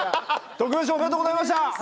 特別賞おめでとうございました！